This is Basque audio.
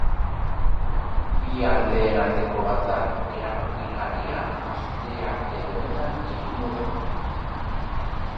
Bi aldeen arteko batzar erabakigarria astearte honetan egingo da.